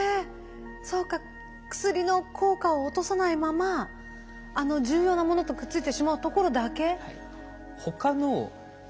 そうか薬の効果を落とさないままあの重要なものとくっついてしまうところだけ。